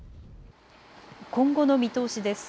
今後の見通しです。